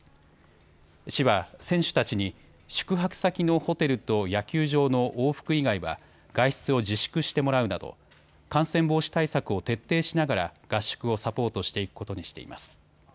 市は選手たちに宿泊先のホテルと野球場の往復以外は外出を自粛してもらうなど感染防止対策を徹底しながら合宿をサポートしていくことにしています。